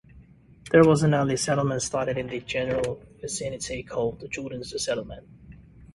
There was an early settlement started in the general vicinity called "Jordan's Settlement".